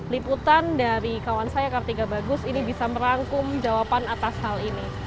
liputan dari kawan saya kartiga bagus ini bisa merangkum jawaban atas hal ini